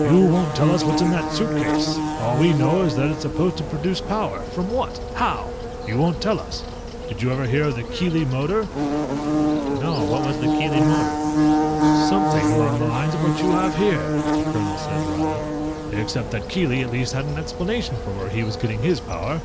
"You won't tell us what's in that suitcase. All we know is that it's supposed to produce power. From what? How? You won't tell us. Did you ever hear of the Keely Motor?" "No. What was the Keely Motor?" "Something along the lines of what you have here," the colonel said dryly, "except that Keely at least had an explanation for where he was getting his power.